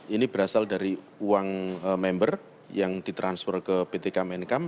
ini berasal dari uang member yang ditransfer ke pt kemenkam